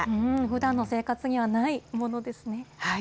ふだんの生活にはないものですね。